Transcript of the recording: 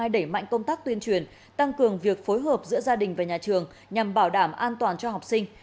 để mạnh công tác tuyên truyền tăng cường việc phối hợp giữa gia đình và nhà trường nhằm bảo đảm an toàn cho học sinh